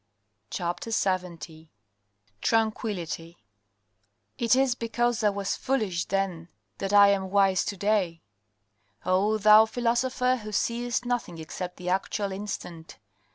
CHAPTER LXX TRANQUILITY It is because I was foolish then that I am wise to day. Oh thou philosopher who setst nothing except the actual instant.